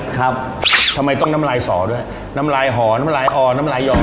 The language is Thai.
ทำไมต้องน้ำลายสอด้วยน้ำลายหอน้ำลายอ่อนน้ำลายห่อ